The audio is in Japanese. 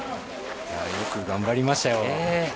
よく頑張りましたよ。